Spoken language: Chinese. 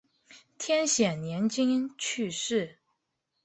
天显年间去世。